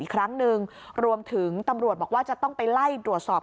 อีกครั้งหนึ่งรวมถึงตำรวจบอกว่าจะต้องไปไล่ตรวจสอบ